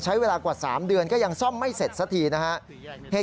ใช้เวลากว่า๓เดือนก็ยังซ่อมไม่เสร็จสักทีนะครับ